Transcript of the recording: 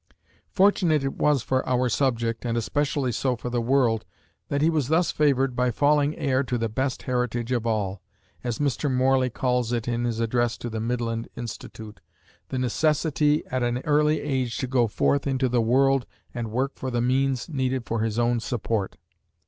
Fortunate it was for our subject, and especially so for the world, that he was thus favored by falling heir to the best heritage of all, as Mr. Morley calls it in his address to the Midland Institute "the necessity at an early age to go forth into the world and work for the means needed for his own support."